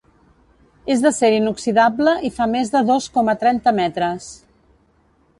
És d’acer inoxidable i fa més de dos coma trenta metres.